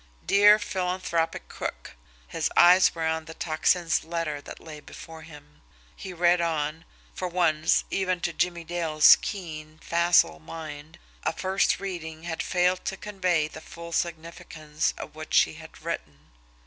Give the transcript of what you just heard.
"Dear Philanthropic Crook" his eyes were on the Tocsin's letter that lay before him. He read on for once, even to Jimmie Dale's keen, facile mind, a first reading had failed to convey the full significance of what she had written.